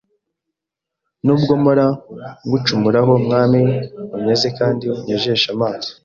nubwo mpora ngucumuraho mwami unyeze kandi unyejeshe amazi